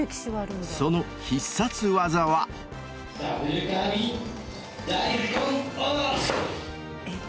その必殺技は。えっ？